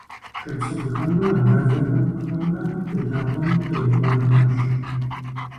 Шапсыгъхэмрэ абазэхэхэмрэ быдапӀэм къебгъэрыкӀуащ.